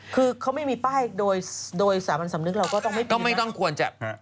คือเขาไม่มีป้ายโดยสามัญสำนึกเราก็ต้องไม่ต้องควรจะ